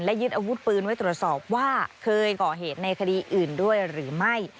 ยึดอาวุธปืนไว้ตรวจสอบว่าเคยก่อเหตุในคดีอื่นด้วยหรือไม่